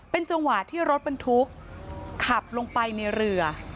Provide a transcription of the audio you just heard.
เป็นจังหวะที่รถบรรทุกขับลงไปในเรือ